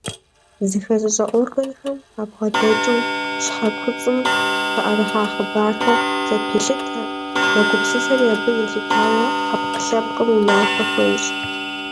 Зыхэзыщӏэ органхэм къабгъэдэкӏыу щхьэкуцӏым къыӏэрыхьа хъыбархэр зэпелъытэ, мэгупсысэри, абы елъытауэ ӏэпкълъэпкъым унафэ хуещӏ.